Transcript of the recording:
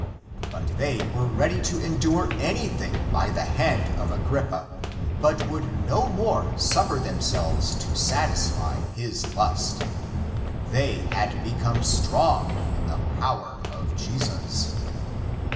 ^'^ But they were ready to endure any thing by the hand of Agrippa, but would no more suffer themselves to satisfy his. lust ; they had be come strong in the power of Jesus.